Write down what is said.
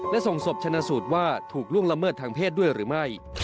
และส่งศพชนะสูตรว่าถูกล่วงละเมิดทางเพศด้วยหรือไม่